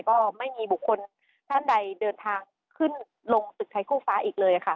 ก็ไม่มีบุคคลท่านใดเดินทางขึ้นลงตึกไทยคู่ฟ้าอีกเลยค่ะ